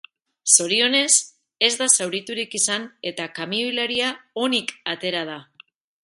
Zorionez, ez da zauriturik izan eta kamioilaria onik atera da.